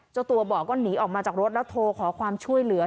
เจ้าตัวบอกก็หนีออกมาจากรถแล้วโทรขอความช่วยเหลือ